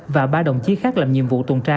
và ba đồng chí khác làm nhiệm vụ tuần tra